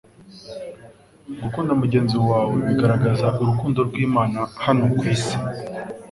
Gukunda mugenzi wawe bigaragaza urukundo rw'Imana hano ku isi.